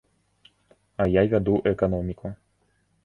А я вяду эканоміку.